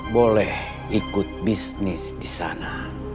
boleh ikut bisnis di sana